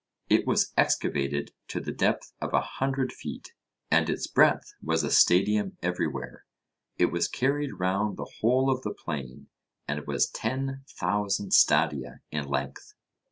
It was excavated to the depth of a hundred feet, and its breadth was a stadium everywhere; it was carried round the whole of the plain, and was ten thousand stadia in length.